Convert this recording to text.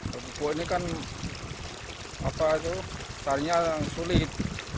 pupuk ini kan carinya sulit